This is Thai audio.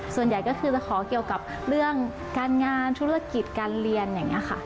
ส่วนใหญ่ก็คือจะขอเกี่ยวกับเรื่องการงานธุรกิจการเรียนอย่างนี้ค่ะ